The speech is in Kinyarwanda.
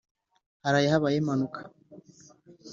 haraye habaye impanuka